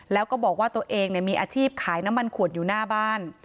แล้วก็บอกว่าตัวเองมีอาชีพขายน้ำมันขวดอยู่หน้าบ้าน